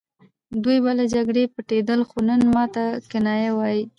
دوی به له جګړې پټېدل خو نن ماته کنایه وايي